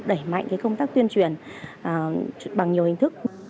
đẩy mạnh công tác tuyên truyền bằng nhiều hình thức